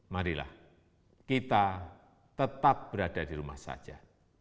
marilah kita tetap berada di rumah saja